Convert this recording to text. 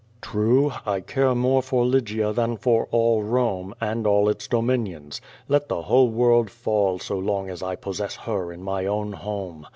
True, I care niore for Lygia than for all Rome, and all its dominions. Let the whole world fall so long as I possess her in my own home!